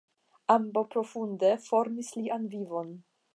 Ambaŭ profunde formis lian vivon.